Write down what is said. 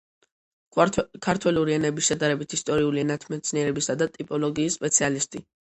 ქართველური ენების, შედარებით-ისტორიული ენათმეცნიერებისა და ტიპოლოგიის სპეციალისტი.